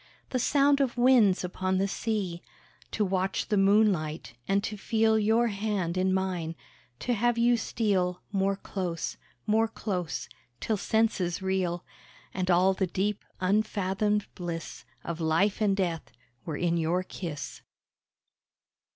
The sound of winds upon the sea, To watch the moonlight, and to feel Your hand in mine; to have you steal More close, more close, till senses reel, And all the deep, unfathomed bliss Of Life and Death were in your kiss.